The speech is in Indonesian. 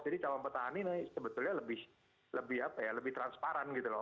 jadi calon pertahanan ini sebetulnya lebih transparan gitu loh